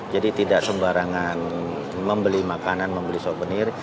tidak sembarangan membeli makanan membeli souvenir